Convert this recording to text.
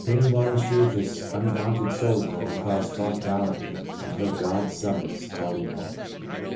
God's Good Man 33 Water Street this undaunted soldier of the Cross fought valiantly, until God's summons called him home.